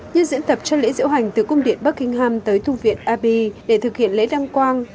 như diễn tập cho lễ diễu hành từ cung điện buckingham tới thu viện abbey để thực hiện lễ đăng quang